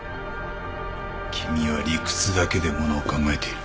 君は理屈だけでものを考えている。